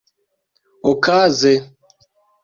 okaze